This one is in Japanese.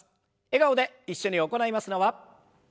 笑顔で一緒に行いますのは。